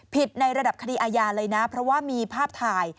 ในระดับคดีอาญาเลยนะเพราะว่ามีภาพถ่าย